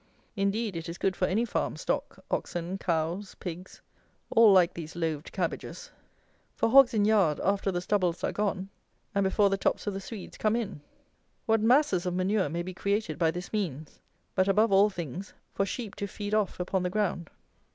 Indeed it is good for any farm stock, oxen, cows, pigs: all like these loaved cabbages. For hogs in yard, after the stubbles are gone; and before the tops of the Swedes come in. What masses of manure may be created by this means! But, above all things, for sheep to feed off upon the ground.